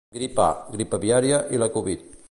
Grip A, grip aviària i la Covid.